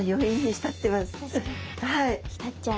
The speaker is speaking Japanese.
浸っちゃう。